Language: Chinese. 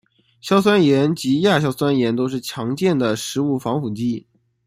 硝酸盐及亚硝酸盐都是常见的食物防腐剂。